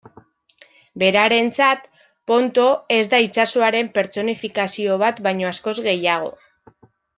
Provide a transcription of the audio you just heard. Berarentzat, Ponto, ez da itsasoaren pertsonifikazio bat baino askoz gehiago.